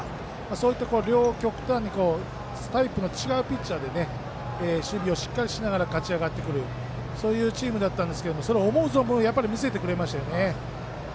そういった両極端にタイプの違うピッチャーで守備をしっかりしながら勝ち上がってくるそういうチームだったんですけど思う存分、見せてくれましたね。